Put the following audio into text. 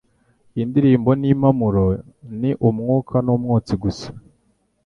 Indirimbo n'impumuro ni umwuka n'umwotsi gusa